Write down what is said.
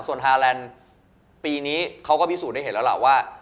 ส่วนฮาแลนด์ปีนี้เขาก็พิสูจนได้เห็นแล้วล่ะว่า